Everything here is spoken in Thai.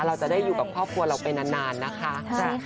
เราจะได้อยู่กับครอบครัวเราไปนานนะคะ